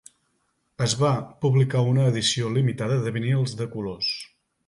Es va publicar una edició limitada de vinils de colors.